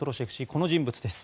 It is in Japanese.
この人物です。